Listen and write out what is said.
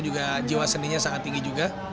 juga jiwa seninya sangat tinggi juga